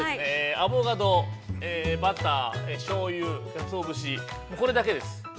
アボカド、バター、しょうゆ、カツオ節、これだけです。